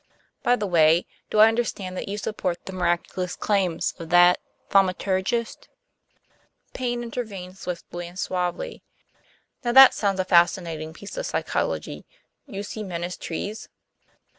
By the way, do I understand that you support the miraculous claims of that thaumaturgist?" Paynter intervened swiftly and suavely. "Now that sounds a fascinating piece of psychology. You see men as trees?"